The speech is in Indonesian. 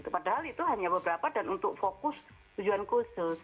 padahal itu hanya beberapa dan untuk fokus tujuan khusus